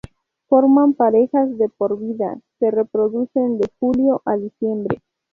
Forman parejas de por vida, se reproducen de julio a diciembre.